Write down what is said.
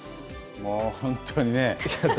もう本当にね。